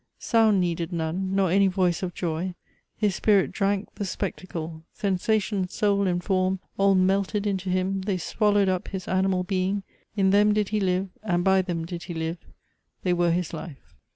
Sound needed none, Nor any voice of joy: his spirit drank The spectacle! sensation, soul, and form, All melted into him; they swallowed up His animal being; in them did he live, And by them did he live: they were his life."